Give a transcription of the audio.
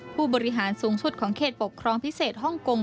ผู้บริหารสูงสุดของเขตปกครองพิเศษฮ่องกง